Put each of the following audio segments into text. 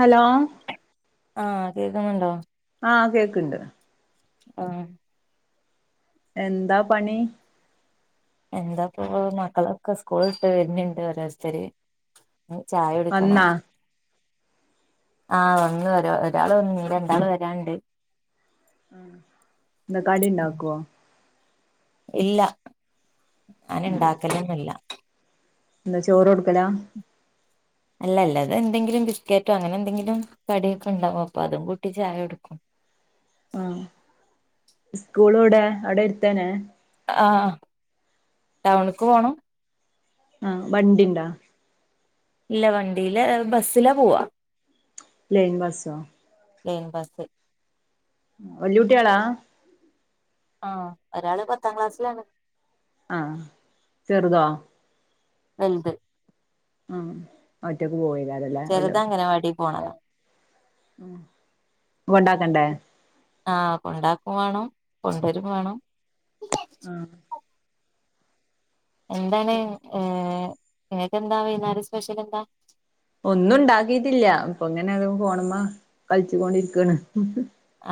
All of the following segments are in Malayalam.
ഹലോ ആ കേക്കുന്നുണ്ടോ ആ കേക്കണ്ട് ഉം എന്താ പണി എന്താ പ്പൊ മക്കളൊക്കെ സ്കൂൾ വിട്ട് വരുന്നുണ്ട് ഓരോത്തര് ചായക്കുടിക്കണം വന്നാ ആ വന്നു ഒരാൾ വന്നു ഇനി രണ്ടാൾ വരാണ്ട് ഉം എന്താ കടി ണ്ടാക്കൂവോ ഇല്ല ഞാൻ ഉം ഇണ്ടാക്കലാന്നെ ഇല്ല എന്താ ചോറു കൊടുക്കലാ അല്ല അല്ല അതെന്തെങ്കിലും ബിസ്ക്കറ്റോ അങ്ങനെന്തെങ്കിലും കടിയൊക്കെണ്ടാവും അപ്പോ അതും കൂട്ടി ചായ കൊടുക്കും ആമ് സ്കൂളിവടെ അവിടെ അടുത്തന്നെ ആ ടൗണിക്ക് പോണം ആ ബണ്ടി ണ്ടാ ഇല്ല വണ്ടിലേ ബസില പോവാ ലൈൻ ബസോ ലൈൻ ബസ് വല്ലുട്ടികളാ ആ ഒരാള് പത്താ ക്ലാസ്സിലാണ് ആ ചെറുതോ വല്ത്‌ ആം ഒറ്റക്ക് പോയേ ചെറുത് അങ്കനവാടി പോണതാ മ്മ് കോണ്ടാക്കണ്ടേ ആഹ് കൊണ്ടകോം വേണം കൊണ്ട്വരോം വേണം ആഹ് എന്താണ് ഏഹ് [unintelligible] വെയ്നേര സ്പെഷ്യലേന്താ ഒന്നുണ്ടാക്കിയിട്ടില്ല എപ്പോയങ്ങനെ ഫോണുമേം കളിച്ചോണ്ടിരികാണ്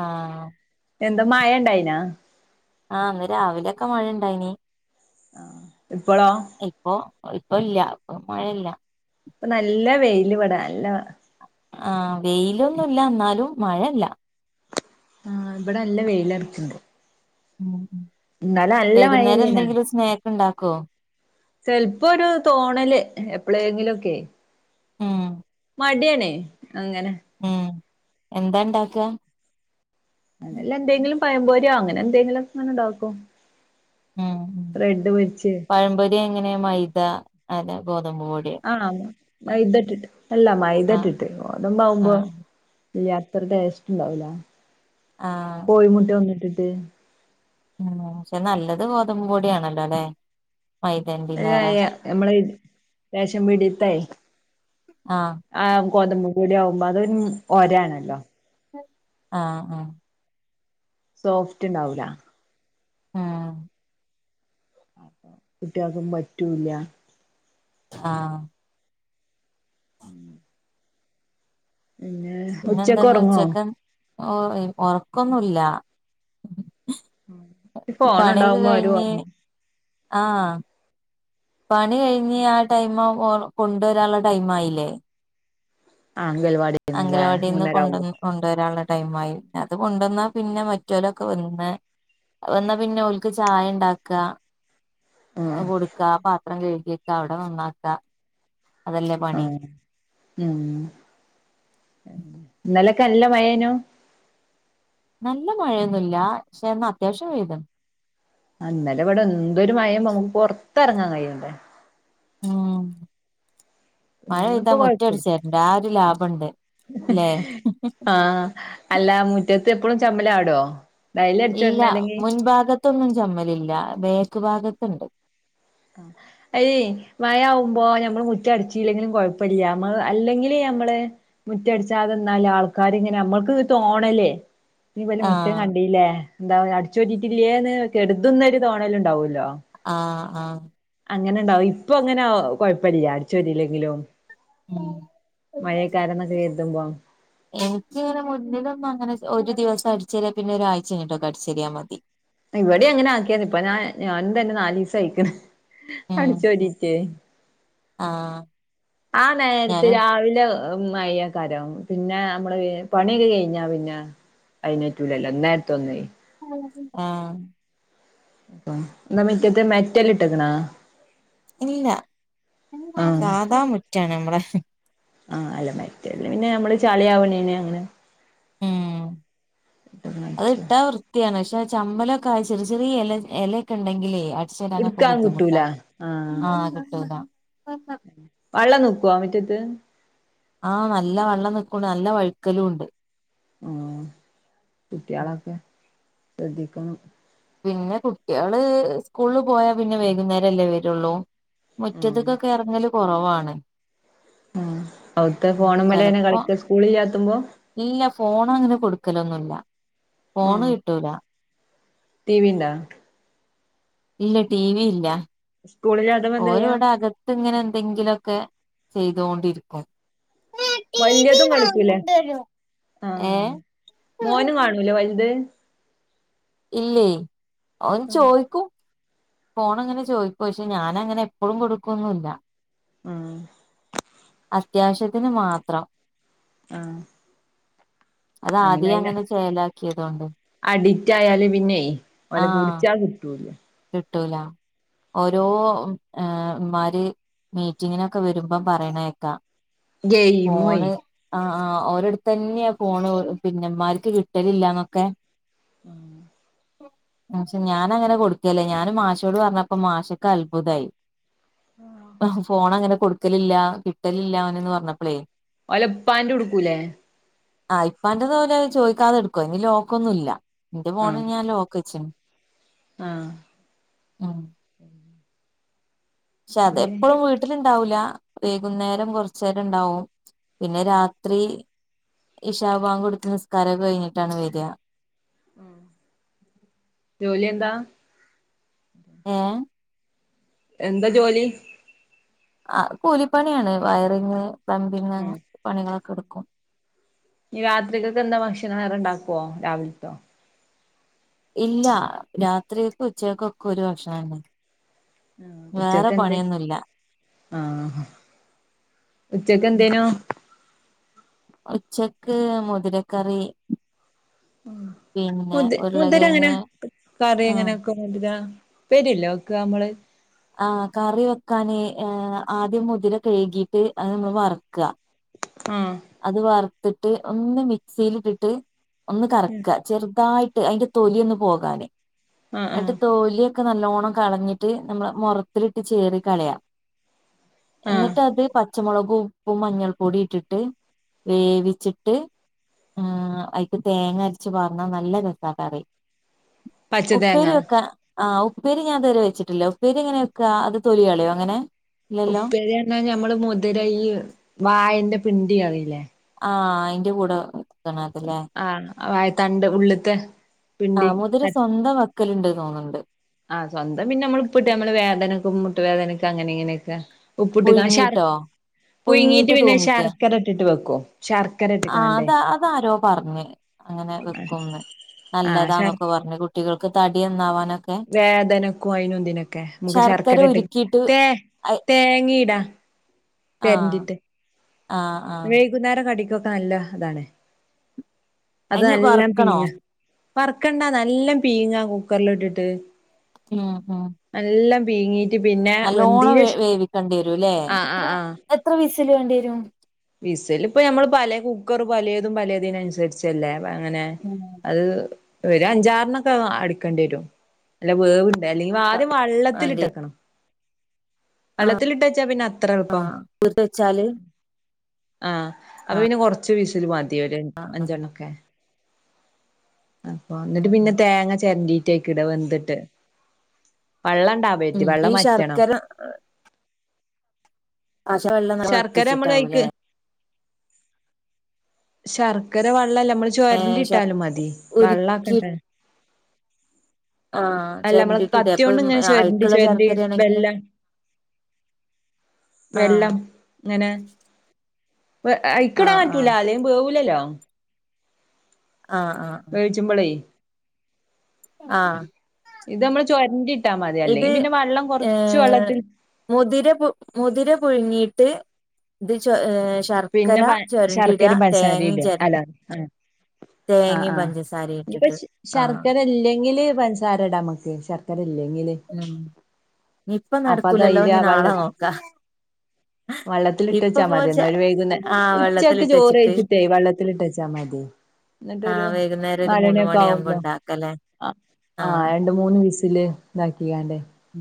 ആഹ് എന്താ മഴയുണ്ടായിന്ന ആ ഇന്ന് രാവിലെക്കേ മഴ ഉണ്ടായിനി ആ എപ്പോളോ കുഴപ്പമില്ലാതെ [unintelligible] ഇപ്പോ നല്ല വെയിലിവിടെ [unintelligible] ആഹ വെയിലൊന്നുമില്ല എന്നാലും മഴയില്ല ആ ഇവിടെ നല്ല വെയിലാണ് [unintelligible] ഇന്നല്ലേ നല്ല വൈകുന്നേരം മഴയാണീന്ന് എന്തെങ്കിലും സ്നാക്ക് ഇണ്ടാക്കോ? ചെലപ്പോ ഒരു തോന്നലിന് ഇപ്പലേക്കിലുമൊക്കേ മും [unintelligible] അങ്ങനെ ഉം എന്താ ഉണ്ടാക്ക വല്ലോ എന്തെങ്കിലും പഴം പൊരിയോ [unintelligible] എന്തെങ്കിലും സാധനം ഉണ്ടാകും ആ പഴം പൊരി [unintelligible] മൈദ [unintelligible] [unintelligible] ആഹ് മൈദ ഇട്ടിട്ട് അല്ലെ മൈദ ആഹ് ഇട്ടിട്ട് ഗോതമ്പ് ആവുമ്പോ ആഹ് ഇല്ല അത്ര ടെസ്റ്റ് ഉണ്ടാവൂല ആഹ് [unintelligible] [inaudible] പക്ഷെ നല്ലത് ഗോതമ്പ് പൊടി ആണല്ലോ ലെ യ നമ്മൾ റേഷൻ പീഡിയത്തെ അരി ആഹ് ആ ഗോതമ്പ് പൊടി ആകുമ്പോ അധോരു ഒര ആണല്ലോ ആ ആ സോഫ്റ്റ്‌ ഉണ്ടാവൂല ഉം കുട്ട്യേക്കു പറ്റൂല ആ [inaudible] പിന്നെ ഉച്ചക്ക് എന്താന്ന് ഉറങ്ങോ ഉച്ചക്ക് ഓ ർക്കന്നുല്ല ഫോൺ ഉണ്ടാകുമ്പോ ആരും ഉറങ്ങൂ ആ പണി കയിഞ്ഞു ആ ടൈം ആവുമ്പോ ഓർ കൊണ്ടൊരാനുള്ള ടൈം ആയില്ലേ ആ അംഗൽവാടിന്നില്ലേ അംഗലവാടി ന്ന് മൂന്നര ആവുമ്പോ കൊണ്ടൊരാനുള്ള ടൈം ആയി അതു കൊണ്ടോന്ന പിന്നെ മറ്റൊലൊക്കെ വന്ന് അതു വന്ന പിന്നെ ഓൽക്ക് ചായ ഉണ്ടാക്ക ഉം അതു കൊടുക്ക പ ത്രം കഴുകിയക്ക അവിടെ നന്നാക്ക അതല്ലേ പണി ഉം ഉം നല്ല മഴയൊന്നുല്ല ക്ഷെ ന്ന് അത്യാവശ്യം വെയിലുണ്ട് ഇന്നലെ ഇവിടെ എന്തൊരു മഴ പുറത്തിറങ്ങാൻ കയ്യണ്ടേ ഉം മഴ പെയ്ദ ഇന്നിപ്പോ മുറ്റം കൊഴപ്പില്ല അടിച്ചു വരണ്ട അധോരു ലാഭണ്ട് ലെ ത്ത് എപ്പളും ചമ്മല് ചാടോ ഇല്ല മുൻഭാഗത്ത് ഒന്നും ചമ്മലില്ല ബാക്ക് ക്ക് ഭാഗത്ത് ണ്ട് മഴ ആകുമ്പോ ഞമ്മൾ മുറ്റം അടിച്ചില്ലങ്കിലും കുഴപ്പം ഇല്ല അല്ലങ്കിൽ നമ്മൾ മുറ്റം അടിച്ചാധേ നിന്നാൽ ആൾക്കാർ ഇങ്ങനെ നമ്മൾക്ക് ഒരു തോന്നൽ ഞ് ഇവലെ മുറ്റം ആഹ് കണ്ടീലെ അടിച്ചു വരിട്ട് ഇല്ലെ ന്ന് കരുതും ന്ന് തോന്നൽ ഉണ്ടാകും ലൊ ആ ആ അങ്ങനേണ്ടാവും ഇപ്പം അങ്ങനെ കുഴപ്പല്ല്യ അടിച്ച് വാരി ഇല്ലെങ്കിലും ഉം [unintelligible] എനിക്കിങ്ങനെ മുന്നിലൊന്നും അങ്ങനെ ഒരു ദിവസം അടിച്ചുവാര്യാപ്പിന്നെ ഒരാഴ്ച കഴിഞ്ഞിട്ടൊക്കെ അടിച്ച് വാര്യാ മതി ഇവിടെം അങ്ങനാക്കിയാണ് ഇപ്പൊ ഞാൻ ഞാനും തന്നെ നാലീസയ്ക്ക്ണ് ഉം അടിചോരിട്ട് ആഹ് ആ നേരത്ത് ഞാനും രാവിലെ മഴ ക്കാരം പിന്നേ അമ്മള് പണി കഴിഞ്ഞാ പിന്നേ അയ്ന് പറ്റൂലല്ലോ ഇന്നേരതോന്നും ആ ന്ന് മിറ്റത്ത് മെറ്റല് ഇട് ട്ട്ക്ക്ണാ ഇല്ലില്ലാ സാധാ മുറ്റാണ് മ്മളെ ആ അല്ല മെറ്റൽ മ്മള് പിന്നെ ചളിയാവ്ണേന് അങ്ങനെ ഉം അതിട്ടാ വൃത്തിയാണ് ശേ ചമ്മലൊക്കെയായ് ചെറിയ ചെറിയ ഇല ഇലേക്കെ ഉണ്ടെങ്കിലേ അ ടിച്ചേവരാനൊക്കെ ഇടുക്കാൻ കിട്ടൂല ബുദ്ധിമുട്ടാ ആഹ് ആ കിട്ടുല്ല വെള്ളം നിക്കോ മുറ്റത്ത് ആ നല്ല വെള്ളം നിക്ക്ണു നല്ല വഴിക്കലും ഉണ്ട് ഹാ ഉം കുട്ട്യാളക്കെ ശ്രദ്ധിക്കണം പിന്നെ കുട്ടിയാള് സ്കൂളിൽ പോയാ പിന്നെ വൈകുന്നേരം അല്ലേ വരോള്ളൂ ആഹ് മുറ്റത്തുകൊക്കെ എറങ്ങലും കൊറവാണ് ആഹ് അവിടുത്തെ ഫോണുമ്മേലെന്നെ ചെലപ്പോ കളിക്ക സ്കൂളില്ലാത്തുമ്പോ ഇല്ല ഫോൺ അങ്ങനെ കൊടുക്കലൊന്നുല്ല ഫോണ് കിട്ടൂല്ല ടിവി ണ്ടാ ഇല്ല ടിവി ഇല്ല സ്കൂളില്ലാത്തപ്പോ എന്താ ചെയ്യാ ഓരിവിടെ അകത്ങ്ങനെ എന്തെങ്കിലോക്കെ ചെയ്തോണ്ടിരിക്കും വല്യതും കളിക്കൂലേ ആ ഏ മോനും കാണൂലേ വൽത് ഇല്ലേ ഓൻ ഉം ചോയ്ക്കും ഫോണങ്ങനെ ചോയ്ക്കും പക്ഷേ ഞാനങ്ങനെ എപ്പഴും കൊടുക്കോന്നുല്ല ആ അത്യാവശ്യത്തിന് മാത്രം ആ അത് ആദ്യയേ അങ്ങനെ ചേലാ അഡിക്റ്റ് ആയാൽ പിന്നെ ഓലെ പിടിച്ചാ കിട്ടൂല ട്ടൂല ഓരോ ആ മ്മാര് മീറ്റിംഗിന് ഒക്കെ വരുമ്പോൾ പറയണ കേൾക്കാം ഗയിമ്മോ എ ആ ഓരടുത്ത് തന്നെയാ ഫോണ് പിന്നെ ഇവൻമാർക്ക് കിട്ടണില്ലാന്നെക്കെ ഉം പക്ഷെ ഞാൻ അങ്ങനെ കൊടു ക്കേല്ല ഞാനും മാഷിനോട് പറഞ്ഞപ്പോൾ മാഷിക്ക് അത്ഭുതം ആയി ഹഹ് ഫേണങ്ങനെ കൊടുക്കലില്ലാ കിട്ടലില്ലാ എന്നു പറഞ്ഞപ്പോഴേ ഓളെ ഉപ്പാൻ്റെ എടുക്കൂലേ ആ ഉപ്പാൻ്റെ അവര് ചോദിക്കാതെ എടുക്കും അതിൽ ലോക്ക് ഒന്നും ഇല്ലാ എൻ്റെ ഫോൺ ഞാൻ ലോക്ക് ക്ക്ച്ച് ണ് ആ ക്ഷതെ എപ്പോഴും വീട്ടിലുണ്ടാവൂല വൈകുന്നേരം കുറച്ച് നേരം ഇണ്ടാകും പിന്നെ രാത്രി ഇശാ ബാങ്ക് കൊടുത്ത് നിസ്‌കാരം ഒക്കെ കഴിഞ്ഞിട്ടാണ് വരാ. ഉം ജോലി എന്താ? ഏഹ് എന്താ ജോലി ആഹ് കൂലി പണിയാണ് വയറിംഗ് പ്ലംബിങ് ആഹ് പണികളെക്കെ എടുക്കും ഇനി രാത്രിത്തലേക്ക് എന്താ ഭക്ഷണം വേറെ ഉണ്ടാക്കുമോ രാവിലത്തെ ഇല്യാ രാത്രിയിലത്തേക്കും ഉച്ചക്കേക്കും ഒക്കെ ഒരേ ഭക്ഷണം തന്നെ ഉം ഉച്ചക്ക് എന്തേ ആഹ് ഉച്ചക്കെന്തിനു ഉച്ചക്ക് മുതിരക്കറി പിന്നെ മുതിര എങ്ങനാ ഉരുളകിഴങ്ങ് മുതിര ആ എങ്ങനെ കറിവെക്കും മുതിരാ പേടിയില്ലേ ഓൾക് നമ്മള് ആ കറിവെക്കാന് ആദ്യം മുതിര കഴുകിയിട്ട് അത് വറുക്കാ ആഹ് അത് വർത് ട്ട് ഒന്ന് മിക്സിയിൽ ഇട്ടിട്ട് ഒന്ന് കറക്കാ ചെറുതായി അതിൻ്റെ തൊലി ഒന്നു പോകാന് ആഹ് ആഹ് എന്നിട്ട് തൊലിയെക്കെ നല്ലേണം [unintelligible] കളഞ്ഞിട്ട് നമ്മടെ മോറത്തിലിട്ട് ചേറി കളയാം ആഹ് എന്നിട്ട് അത് പ പച്ചമുളകും ഉപ്പും മഞ്ഞൾ പൊടിയും ഇട്ടിട്ട് വേവിച്ചിട്ട് അയിക്ക് തേങ്ങ അരച്ച് പാർന്ന നല്ല രസ കറി പച്ച തേങ്ങ ഉപ്പേരി വെക്കാൻ ആഹ് ഉ ഉപ്പേരി ഞാൻ ഇതുവരെ വെച്ചിട്ടില്ല ഉപ്പേരി എങ്ങനാ വെക്കാ അത് തൊലി കളയുവോ അങ്ങനെ ഇല്ലല്ലോ ഉപ്പേരി എണ്ണാൻ ഞമ്മള് മുതിരയ്യ് വായെന്റെ പിണ്ടി [unintelligible] [unintelligible] ആഹ് അയിന്റെ കൂടെ അതല്ലേ ആഹ് വായതണ്ട് ഉള്ളിത്തെ പിണ്ടി ആഹ് മുതിര സ്വന്തം വെക്കലുണ്ട് തോന്നുന്നുണ്ട് ആഹ് സ്വന്തം പിന്നെ നമ്മൾ ഉപ്പിട്ട് നമ്മൾ വേദനക്കും മുട്ട് വേദനക്കും അങ്ങനെ ഇങ്ങനെക്കെ ഉപ്പിട്ട് ക്കാ ശർ പുഴുങ്ങിട്ടോ പുയിങ്ങിട്ട് പുഴുങ്ങിട്ട് പിന്നെ തൂമിക്കാ ശർക്കര ഇട്ടിട്ട് വെക്കു ആഹ് അത് അതാരോ പറഞ്ഞ് അങ്ങനെ വെക്കും ആഹ് ശർ വേദനക്കും അയിനും ഇതിനും ഒക്കെ നമുക്ക് ശർക്കര ഇട്ട് തെ അയ് തേങ്ങ ഇടാ ആഹ് തെരണ്ടിട്ട് ആഹ് ആഹ് വൈകുന്നേരം കടികൊ നല്ല ഇതാണ് അത് അയിന് നല്ലോം വറുക്കണോ പിയിഞ്ഞ് വറക്കേണ്ട നല്ലോം പിഴിഞ്ഞ കുക്കർലിട്ടിട്ട് [unintelligible] മ്മ്ഹ്ഹ് മ്മ്ഹ്ഹ് പിഴി [unintelligible] നല്ലോണം വേവിക്കേണ്ടി വെരുല്ലേ ആഹ് എത്ര ആഹ് ആഹ് എത്ര വിസി വിസില് വേണ്ടിവെരും വിസില് ഇപ്പൊ ഞമ്മൾ പല കുക്കറും പലേതും പലേതിന് അനുസരിച്ചെല്ലേ ഇപ്പോ അങ്ങനെ ഉം അത് ഒരു അഞ്ചാറെണ്ണംക്കെ അടിക്കേണ്ടി വരും അല്ലെ വേവ് അല്ലെങ്കി ആദ്യം വള്ളത്തില് വേണ്ടി ഇട്ട്ക്കണം ആഹ് വള്ളത്തില് ഇട്ട് വെച്ചാ പിന്നെ അത്ര എളുപ്പം ആഹ് കുതിർത്ത് വെച്ചാല് ആഹ് അപ്പൊ ആഹ് പിന്നെ കൊ അഞ്ചു വിസിലു മതി [unintelligible] ആഹ് ആഹ് അഞ്ചേണ്ണം ഒക്കെ അതിപ്പോ എന്നിട്ട് ഉം പിന്നെ ഉം തേങ്ങ ചേരണ്ടി തെക്ക് ഇടാ വെന്തിട്ട് വള്ളം ഇണ്ട ഉം [unintelligible] ഈ വെള്ളം വറ്റണം ശർക്കര [unintelligible] നല്ല ശർക്കര വറ്റിച്ചിട്ട് നമ്മള് അയ്ക്ക് ആവുല്ലേ ശർക്കര വ [unintelligible] നമ്മൾ ഏഹ് ചോരണ്ടി ശർ ഇട്ടാലും മതി ഉരുക്കി വെള്ളക്കണ്ടേ ആഹ് അല്ല നമ്മൾ ചെരണ്ടിട്ടിടെ കത്തി കൊണ്ട് അപ്പം ഇങ്ങനെ ചോരണ്ടി അഴുക്കുള്ള ചോരണ്ടി ശർക്കരയാണെങ്കില് വെല്ലാം ആഹ് വെള്ളം ഇങ്ങനെ ആഹ് ആഹ് [unintelligible] അല്ലേൽ വേവുല്ലല്ലോ ആഹ് വേവിച്ചുംമ്പളേ ആഹ് ചോരണ്ടി ഇത് ഏഹ് മുതിര പു മുതിര പുഴുങ്ങി ട്ട് ഇത് ചോ ഏഹ് ശർക്കര പിന്നെ ചൊരണ്ടിടാ ശർക്കരേം പഞ്ചസാരേം തേങ്ങിം ചെര ഇടാ [unintelligible] ആഹ് തേങ്ങിം ആഹ് പഞ്ചസാരിം ഇപ്പ ഇട്ടിട്ട് ആഹ് ശർക്കര ഇല്ലെങ്കില് പഞ്ചസാര ഇടം നമ്മക്ക് ശർക്കര ഇ ഇല്ലെങ്കിൽ ഉം ഇപ്പ അപ്പ ദാ നടക്കൂലല്ലോ ഇനി നാളെ അതിന്നു നോക്കാ വെള്ളത്തിൽ ഇട്ട് ഇപ്പൊ വെച്ച പോ മതി ച [unintelligible] ആഹ് ഉച്ചയ്ക്ക് വെള്ളത്തിലിട്ട് ചോർ വെച്ചിട്ട് കഴിച്ചിട്ട് വെള്ളത്തിൽ ഇട്ട് വെച്ച മതി എന്നിട്ടൊരു ആഹ് വൈകുന്നേരം ഒരു നാല് മൂന്ന് മണിയൊക്കെ മണിയാവുമ്പോ ആവുമ്പോ ഇണ്ടാക്കല്ലേ ആഹ് രണ്ട് മൂന്ന് വിസിൽ ഇതാക്കിയാണ്ട്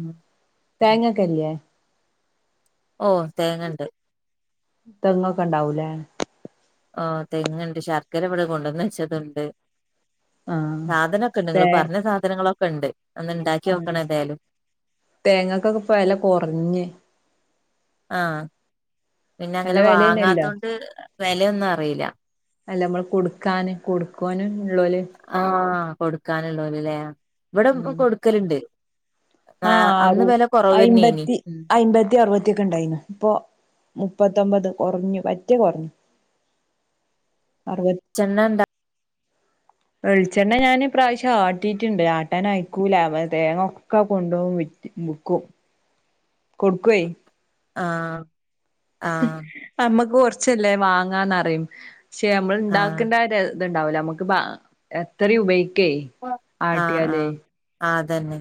[inaudible] ഉം തേങ്ങക്കെ ഇല്ലേ ഓഹ് തേങ്ങണ്ട് തെങ്ങ് ഒക്കെ ഉണ്ടവുല്ലെ ആഹ് തെങ്ങ് ഉണ്ട് ശർക്കര ഇവിടെ കൊണ്ടെന്ന് വെച്ചത് ഉണ്ട് ആഹ് സാധനൊക്കെ ഉണ്ട് തേ ഇങ്ങള് പറഞ്ഞ സാധനങൾ ക്കുണ്ട് തേങ്ങക്കൊക്കെ ഇപ്പോ വില കുറഞ്ഞ് ആഹ് പിന്നങ്ങന നല്ല വെലേണല്ലോ വാങ്ങതോണ്ട് വിലയോന്നറിയില്ല അല്ല നമ്മൾ കൊടുക്കാൻ കൊടുക്കുവാൻ ള്ളോൽ കൊടുക്കാനുള്ളോൻ അല്ലെ ഇവിടെ ഇപ്പ കൊടുക്കലുണ്ട് അന്ന് ആഹ് വെല കൊറവന്നേനി അയ്മ്പത്തി അയ്മ്പത്തി അറുപത്തി ഒക്കെ ഉണ്ടായിന് ഇപ്പോ മുപ്പത്ത് ഒമ്പത് കുറഞ്ഞ് പറ്റ കുറഞ്ഞ് ചെന്നന്താ വെളിച്ചെണ്ണ ഞാന് ഇപ്രാവശ്യം ആട്ടിട്ട്ണ്ട് ആട്ടാനയക്കൂല തേങ്ങ ഒക്കെ കൊണ്ടോവും വിറ്റ് വിക്കും കൊട്ക്കു ഏ ആഹ് ആഹ് അമ്മക് കൊർ ച്ചല്ലേ വാങ്ങാന്നറിം ക്ഷേ നമ്മള് ആഹ് ൻടാക്ക്ന്ന ആ ര ത് ണ്ടാവൂല അമ്മക്ക് പ്പം എത്രിം ഉപയോഗി ക്കേ ആട്യാലേ തെന്നെ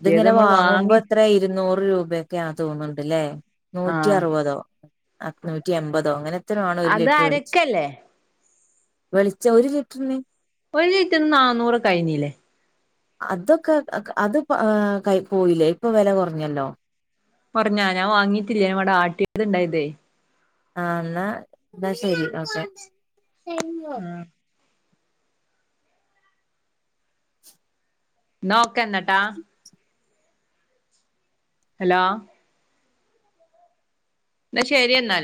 ഇത്ങ്ങനെ നമ്മൾ വാങ്ങുമ്പം വാങ്ങി എത്രേ ഇരുന്നൂറ് രൂപൊക്കെയാ തോന്ന്ണ്ട് ലേ നൂറ്റി ആഹ് അറുപതോ അ നൂറ്റിഎമ്പതോ അങ്ങനെ എത്രയോ അതരക്കല്ലേ വെളിച്ചൊ ഒര്ലിറ്റർന് ഇപ്പ ഒര് ലിറ്ററിന് നാന്നൂറ് കഴിഞ്ഞീല്ലേ അതൊക്കെ അ അത് ഏ കായ്പോയീലേ ഇപ്പൊ വെല കൊറഞ്ഞല്ലോ കൊറഞ്ഞോ ഞാൻ വാങ്ങീട്ടില്ല ഞാ ഇവടെ ആട്ട്യത് ണ്ടായീട്ടെ ആ ന്നാശരി ഓക്കെ [inaudible] ആഹ് ന്നാഓ ക്കെന്നട്ടാ ഹലോ ന്നാ ശരി എന്നാല്